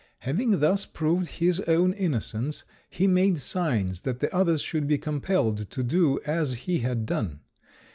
Having thus proved his own innocence, he made signs that the others should be compelled to do as he had done.